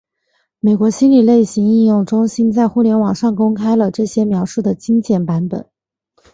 美国心理类型应用中心在互联网上公开了这些描述的精简版本。